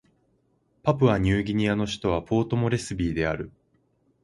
パプアニューギニアの首都はポートモレスビーである